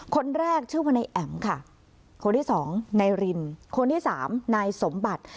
คนแรกชื่อว่านายแอ๋มค่ะคนที่สองนายรินคนที่สามนายสมบัติ